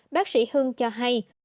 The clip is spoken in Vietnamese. bác sĩ hương cho hay